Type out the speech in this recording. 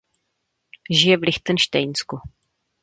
Žije v Lichtenštejnsku.